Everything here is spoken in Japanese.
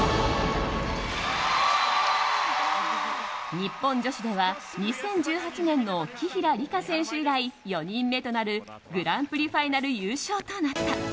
日本女子では２０１８年の紀平梨花選手以来４人目となるグランプリファイナル優勝となった。